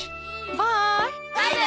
バイバーイ！